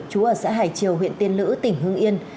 chú ở xã hải triều huyện tiên lữ tỉnh hương yên